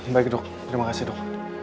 baik itu terima kasih dok